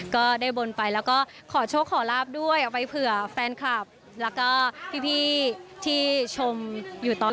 ก็ได้บนไปแล้วก็ขอโชคขอลาบด้วยเอาไปเผื่อแฟนคลับแล้วก็พี่ที่ชมอยู่ตอน